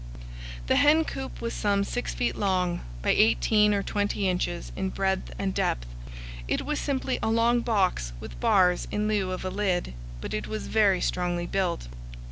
The hen coop was some six feet long, by eighteen or twenty inches in breadth and depth. It was simply a long box with bars in lieu of a lid; but it was very strongly built.